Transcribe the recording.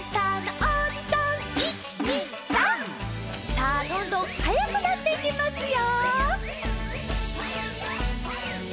さあどんどんはやくなっていきますよ。